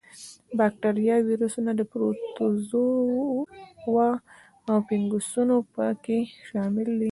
با کتریاوې، ویروسونه، پروتوزوا او فنګسونه په کې شامل دي.